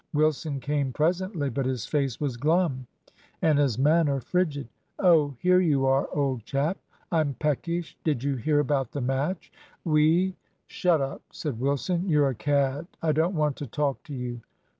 Wilson came presently, but his face was glum and his manner frigid. "Oh, here you are, old chap; I'm peckish. Did you hear about the match, we " "Shut up," said Wilson; "you're a cad. I don't want to talk to you."